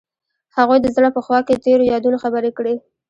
هغوی د زړه په خوا کې تیرو یادونو خبرې کړې.